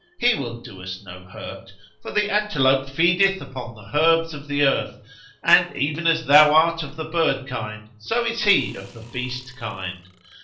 He will do us no hurt, for the antelope feedeth upon the herbs of the earth and, even as thou art of the bird kind, so is he of the beast kind.